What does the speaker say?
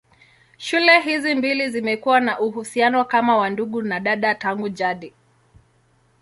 Shule hizi mbili zimekuwa na uhusiano kama wa ndugu na dada tangu jadi.